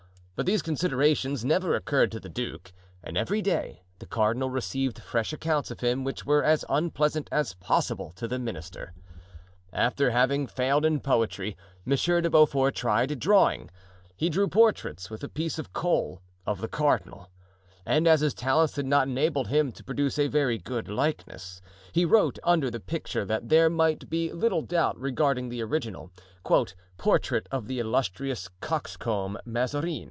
But these considerations never occurred to the duke and every day the cardinal received fresh accounts of him which were as unpleasant as possible to the minister. After having failed in poetry, Monsieur de Beaufort tried drawing. He drew portraits, with a piece of coal, of the cardinal; and as his talents did not enable him to produce a very good likeness, he wrote under the picture that there might be little doubt regarding the original: "Portrait of the Illustrious Coxcomb, Mazarin."